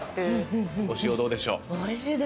お塩どうでしょう？